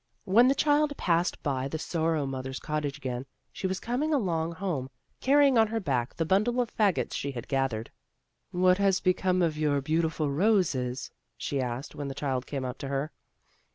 When the child passed by the Sorrow mother's cottage again, she was coming along home, car rying on her back the bimdle of fagots she had gathered. "What has become of your beautiful roses?" she asked, when the child came up to her.